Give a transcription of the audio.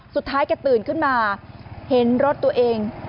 สุดท้ายแกตื่นขึ้นมาเห็นรถตัวเอง